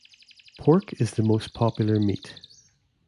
Pork is the most popular meat.